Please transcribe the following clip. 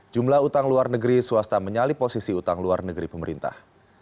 jumlah utang luar negeri swasta menyalip posisi utang luar negeri pemerintah